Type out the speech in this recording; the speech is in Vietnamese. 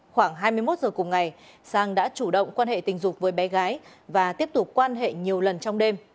khoảng hai mươi một giờ cùng ngày sang đã chủ động quan hệ tình dục với bé gái và tiếp tục quan hệ nhiều lần trong đêm